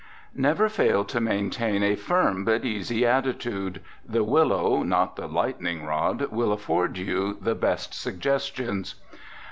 Never fail to maintain a firm but easy attitude. The willow, not the lightning rod, will afford you the best suggestions.